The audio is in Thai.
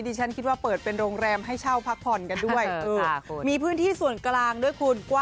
ดิฉันคิดว่าเปิดเป็นโรงแรมให้เช่าพักผ่อนกันด้วย